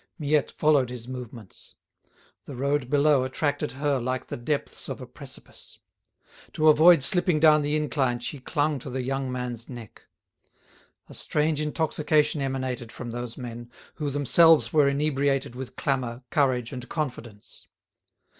Miette followed his movements. The road below attracted her like the depths of a precipice. To avoid slipping down the incline she clung to the young man's neck. A strange intoxication emanated from those men, who themselves were inebriated with clamour, courage, and confidence.